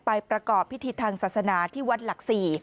ประกอบพิธีทางศาสนาที่วัดหลักศรี